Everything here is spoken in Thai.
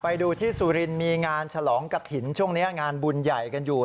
ไปดูที่สุรินทร์มีงานฉลองกะถิ่นช่วงนี้งานบุญใหญ่กันอยู่